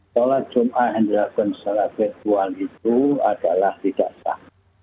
sholat jumat yang dilakukan secara virtual itu adalah tidak sah